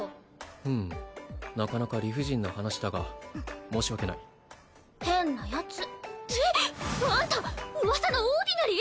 ふむなかなか理不尽な話だが申し訳ない変なヤツってあんた噂のオーディナリー！？